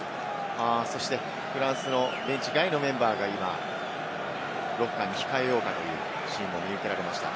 そして、フランスのベンチ外のメンバーが今、ロッカーに控えようかというシーンも見受けられました。